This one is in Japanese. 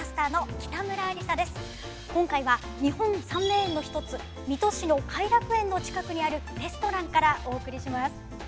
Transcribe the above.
今回は日本三名園の一つ水戸市の偕楽園の近くにあるレストランからお送りします。